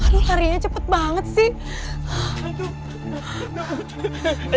aduh tarinya cepet banget sih